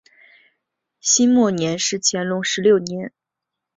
辛未年是乾隆十六年。